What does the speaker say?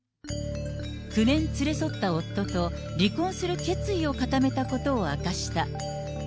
９年連れ添った夫と、離婚する決意を固めたことを明かした。